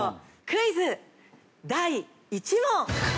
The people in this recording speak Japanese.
クイズ第１問。